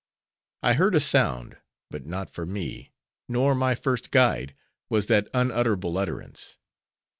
I heard a sound; but not for me, nor my first guide, was that unutterable utterance.